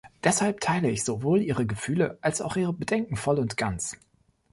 Deshalb teile ich sowohl Ihre Gefühle als auch Ihre Bedenken voll und ganz.